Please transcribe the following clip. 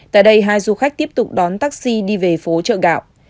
tại đây hai du khách tiếp tục đón taxi đi về phố chợ gạo